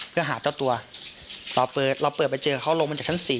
เพื่อหาเจ้าตัวเราเปิดเราเปิดไปเจอเขาลงมาจากชั้น๔